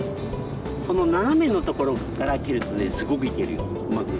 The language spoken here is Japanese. このななめのところから蹴るとねすごくいけるようまく。